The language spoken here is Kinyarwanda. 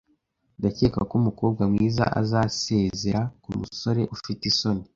Ndakeka ko umukobwa mwiza azasezera kumusore ufite isoni.